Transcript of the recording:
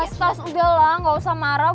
pastas udahlah gak usah marah